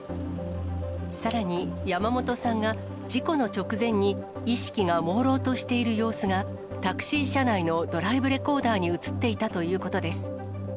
さらに、山本さんが事故の直前に、意識がもうろうとしている様子がタクシー車内のドライブレコーダーに写っていたということです。